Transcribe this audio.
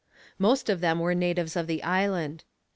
Most of them were natives of the island.